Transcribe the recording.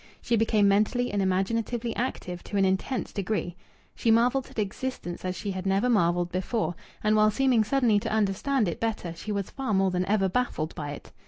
She became mentally and imaginatively active to an intense degree. She marvelled at existence as she had never marvelled before, and while seeming suddenly to understand it better she was far more than ever baffled by it.